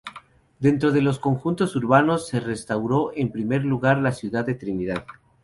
Dentro de los conjuntos urbanos, se restauró en primer lugar la ciudad de Trinidad.